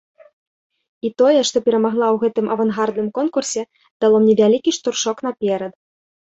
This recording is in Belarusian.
І тое, што перамагла ў гэтым авангардным конкурсе, дало мне вялікі штуршок наперад.